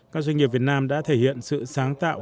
các doanh nghiệp việt nam đã thể hiện sự sáng tạo